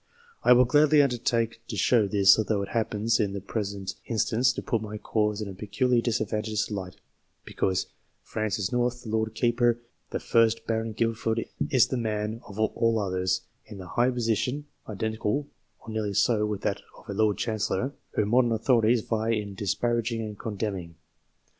I will gladly undertake to show this, although it happens in the present instance to put my cause in a peculiarly disadvantageous light, because Francis North, the Lord Keeper, the first Baron Guilford, is the man of all others, in ' that high position (identical, or nearly so, with that of a Lord Chancellor), whom modern authorities vie in disparaging and condemning.